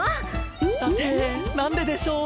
さてなんででしょう？